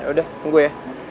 yaudah tunggu ya